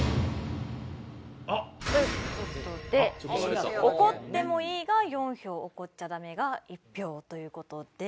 あっ！という事で「怒ってもいい」が４票「怒っちゃダメ」が１票という事で。